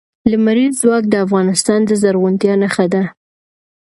لمریز ځواک د افغانستان د زرغونتیا نښه ده.